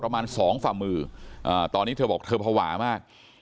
ประมาณสองฝ่ามือตอนนี้เธอบอกเธอภาวะมาก